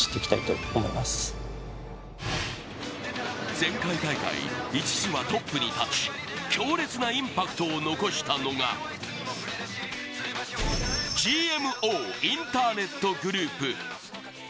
前回大会、一時はトップに立ち強烈なインパクトを残したのがＧＭＯインターネットグループ。